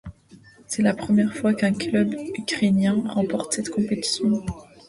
C'est la première fois qu'un club ukrainien remporte cette compétition.